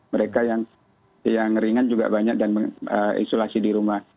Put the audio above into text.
mereka yang ringan juga banyak dan mengisolasi di rumah